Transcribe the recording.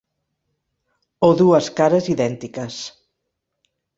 O dues cares idèntiques.